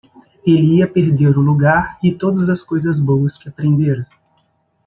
Ele ia perder o lugar e todas as coisas boas que aprendera.